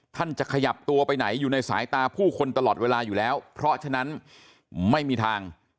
จะขยับตัวไปไหนอยู่ในสายตาผู้คนตลอดเวลาอยู่แล้วเพราะฉะนั้นไม่มีทาง